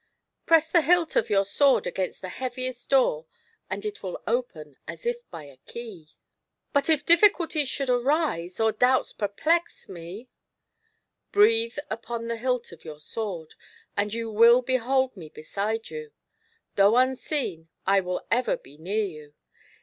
" "Press the hilt of your swoi d against the heaviest door, and it will open as if by a key." 30 GIANT SLOTH. "But if difficulties should arise, or doubts perplex me " Breathe upon the hilt of your sword, and you will behold me beside you. Though unseen, I will ever be near you.